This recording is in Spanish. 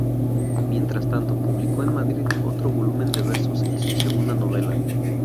Mientras tanto, publicó en Madrid otro volumen de versos y su segunda novela.